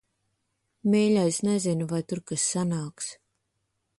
Mīļais, nezinu, vai tur kas sanāks.